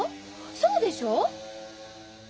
そうでしょ？